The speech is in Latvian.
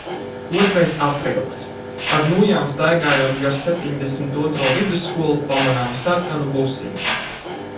Otrais aprīlis. Ar nūjām staigājot gar septiņdesmit otro vidusskolu, pamanām sarkanu busiņu.